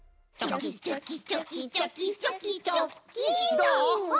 どう？